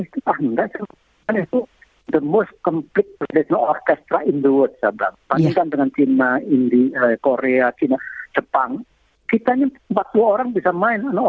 tapi mereka mempercayai itu